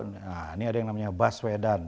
nah ini ada yang namanya baswedan